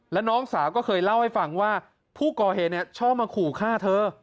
แล้วน้องสาวก็เคยเล่าให้ฟังว่าผู้ก่อเหตุชอบมาขู่ฆ่าเธอ